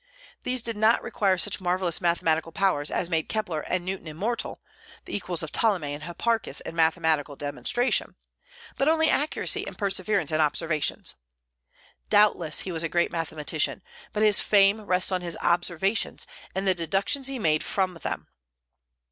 These did not require such marvellous mathematical powers as made Kepler and Newton immortal, the equals of Ptolemy and Hipparchus in mathematical demonstration, but only accuracy and perseverance in observations. Doubtless he was a great mathematician, but his fame rests on his observations and the deductions he made from them.